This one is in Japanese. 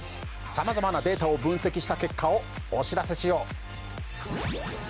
さまざまなデータを分析した結果をお知らせしよう。